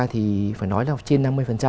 thì phải nói là trên năm mươi